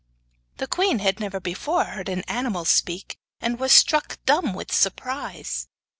The queen had never before heard an animal speak, and was struck dumb with surprise.